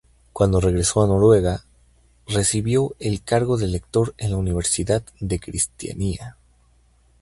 Cuando regresó a Noruega, recibió el cargo de lector en la Universidad de Cristianía.